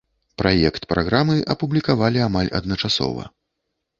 Праект праграмы апублікавалі амаль адначасова.